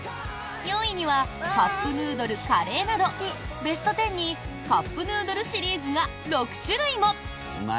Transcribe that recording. ４位にはカップヌードルカレーなどベスト１０にカップヌードルシリーズが６種類も！